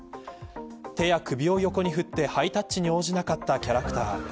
手や首を横に振ってハイタッチに応じなかったキャラクター。